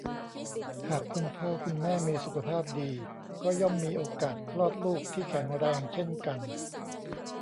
หากคุณพ่อคุณแม่มีสุขภาพดี ก็ย่อมมีโอกาสคลอดลูกที่แข็งแรงเช่นกัน